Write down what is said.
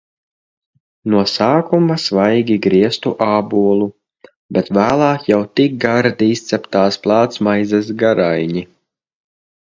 No sākuma svaigi grieztu ābolu, bet vēlāk jau tik gardi izceptās plātsmaizes garaiņi.